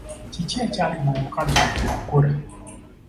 Kiki ekyalema omukaazi oyo okukola?